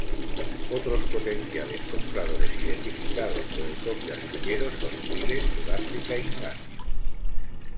Otros potenciales compradores identificados por el propio astillero son Chile, Sudáfrica, Malasia.